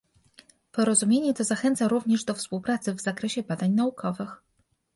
Porozumienie to zachęca również do współpracy w zakresie badań naukowych